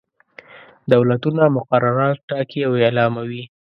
دولتونه مقررات ټاکي او اعلاموي.